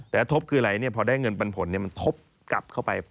แต่ทบคืออะไรพอได้เงินปันผลมันทบกลับเข้าไป